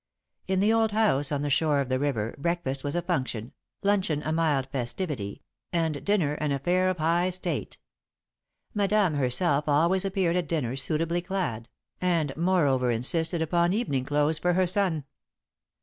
In the old house on the shore of the river, breakfast was a function, luncheon a mild festivity, and dinner an affair of high state. Madame herself always appeared at dinner suitably clad, and, moreover, insisted upon evening clothes for her son.